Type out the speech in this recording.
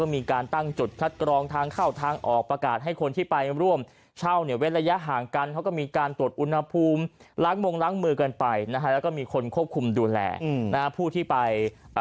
มาดาการคัดกรองมี